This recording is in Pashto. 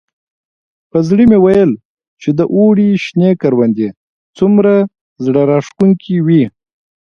په زړه مې ویل چې د اوړي شنې کروندې څومره زړه راښکونکي وي.